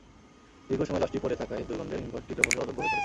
দীর্ঘ সময় লাশটি পড়ে থাকায় দুর্গন্ধে হিমঘরটি ব্যবহারের অযোগ্য হয়ে পড়েছে।